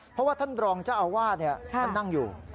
เพราะว่าท่านรองเจ้าอาวาสท่านนั่งอยู่